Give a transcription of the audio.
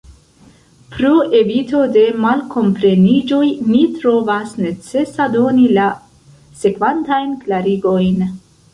Pro evito de malkompreniĝoj, ni trovas necesa doni la sekvantajn klarigojn.